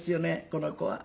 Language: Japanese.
この子は。